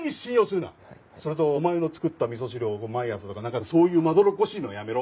それとお前の作った味噌汁を毎朝とかなんかそういうまどろっこしいのはやめろ。